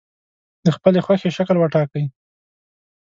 د خپلې خوښې شکل وټاکئ.